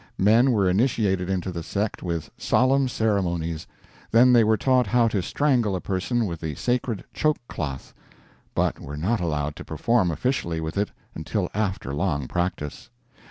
Men were initiated into the sect with solemn ceremonies. Then they were taught how to strangle a person with the sacred choke cloth, but were not allowed to perform officially with it until after long practice.